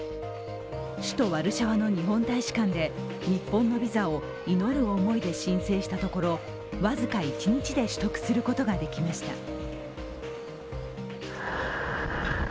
首都ワルシャワの日本大使館で日本のビザを祈る思いで申請したところ僅か１日で取得することができました。